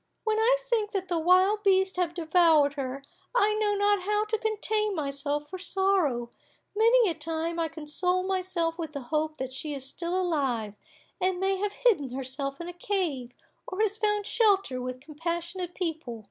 When I think that the wild beasts have devoured her, I know not how to contain myself for sorrow; many a time I console myself with the hope that she is still alive, and may have hidden herself in a cave, or has found shelter with compassionate people.